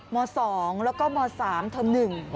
ม๒แล้วก็ม๓เทอม๑